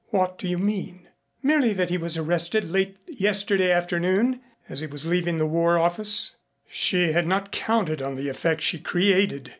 "What do you mean?" "Merely that he was arrested late yesterday afternoon as he was leaving the War Office." She had not counted on the effect she created.